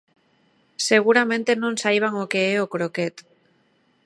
Seguramente non saiban o que é o croquet.